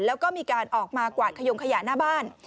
แล้วก็มีการออกมากวาดขยงขยะหน้าบ้าน